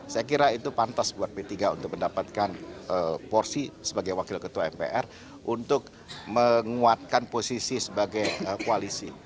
saya kira itu pantas buat p tiga untuk mendapatkan porsi sebagai wakil ketua mpr untuk menguatkan posisi sebagai koalisi